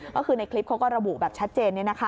ก็คือในคลิปเขาก็ระบุแบบชัดเจน